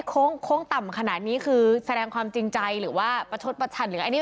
โค้งต่ำขนาดนี้คือแสดงความจริงใจหรือว่าประชุดประชัน